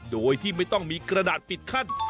โดยที่ไม่ต้องมีกระดาษปิดขั้น